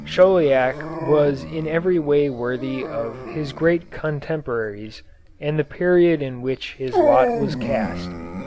Chauliac was in every way worthy of his great contemporaries and the period in which his lot was cast.